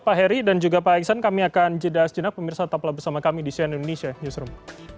pak heri dan juga pak aksan kami akan jeda jeda pemirsa taplah bersama kami di sian indonesia newsroom